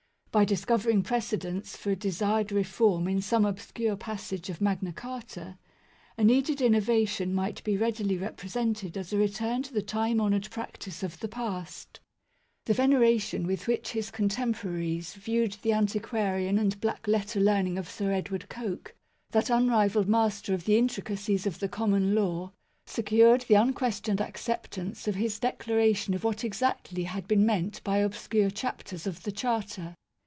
By discovering precedents for a desired reform in some obscure passage of Magna Carta, a needed innovation might be readily represented as a return to the time honoured practice of the past. The 12 MAGNA CARTA (1215 1915) veneration with which his contemporaries viewed the antiquarian and black letter learning of Sir Edward Coke, that unrivalled master of the intricacies of the common law, secured the unquestioned acceptance of his declaration of what exactly had been meant by obscure chapters of the Charter.